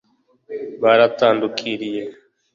Baratandukiriye